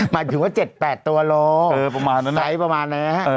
หมายถึงว่า๗๘ตัวโลกรัมใสประมาณนั้นนะ